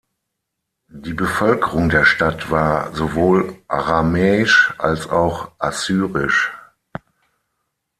Die Bevölkerung der Stadt war sowohl aramäisch als auch assyrisch.